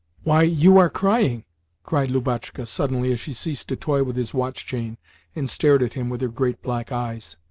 "Why, you are crying!" cried Lubotshka suddenly as she ceased to toy with his watch chain and stared at him with her great black eyes.